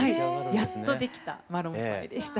やっとできたマロンパイでした。